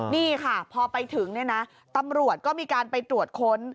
นี่ค่ะพอไปถึงเนี่ยนะตำรวจก็มีการไปตรวจค้น